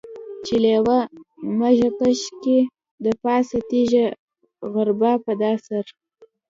چې لېوه مږه کش کي دپاسه تيږه غربا په دا سر.